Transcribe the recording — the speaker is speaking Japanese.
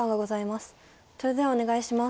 それではお願いします。